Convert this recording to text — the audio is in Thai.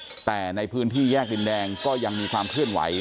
แต่ในพื้นที่แยกดินแดงก็ยังมีความเคลื่อนไหว